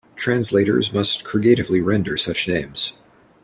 Translators must creatively render such names.